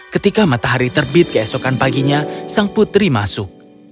ketika matahari terbit keesokan paginya sang putri masuk